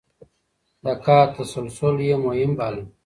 د کار تسلسل يې مهم باله.